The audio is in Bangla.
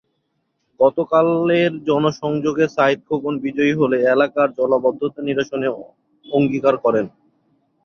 গতকালের জনসংযোগে সাঈদ খোকন বিজয়ী হলে এলাকার জলাবদ্ধতা নিরসনে অঙ্গীকার করেন।